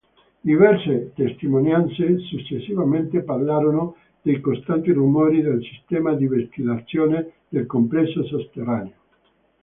Diverse testimonianze, successivamente, parlarono dei costanti rumori del sistema di ventilazione del complesso sotterraneo.